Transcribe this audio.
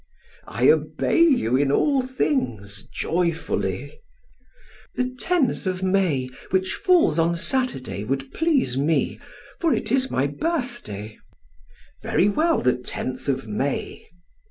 "I obey you in all things joyfully." "The tenth of May, which falls on Saturday, would please me, for it is my birthday." "Very well, the tenth of May."